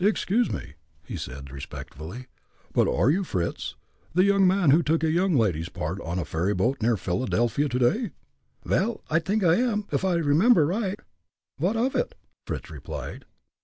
"Excuse me," he said, respectfully, "but are you Fritz, the young man who took a young lady's part, on a ferry boat near Philadelphia, to day?" "Vel, I dink I am, uff I recomember right. Vot of it?" Fritz replied.